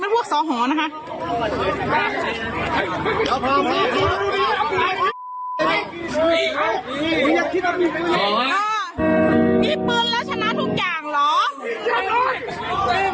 มีปืนแล้วชนะทุกอย่างเหรอ